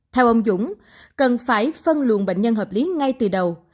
theo ông dũng cần phải phân luồng bệnh nhân hợp lý ngay từ đầu